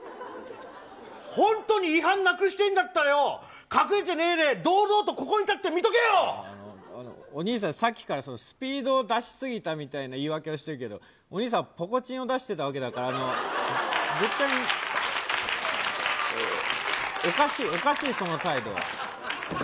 本当に違反なくしてえんだったらよ、隠れてねえで、堂々とここにお兄さん、さっきからスピード出し過ぎたみたいな言い訳してるけど、お兄さん、ぽこちんを出してたわけだから絶対におかしい、おかしい、その態度は。